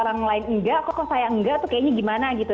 kalau orang lain nggak kok saya nggak tuh kayaknya gimana gitu